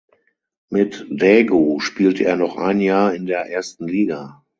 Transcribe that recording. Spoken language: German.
Mit Daegu spielte er noch ein Jahr in der ersten Liga.